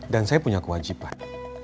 dan saya punya kewajiban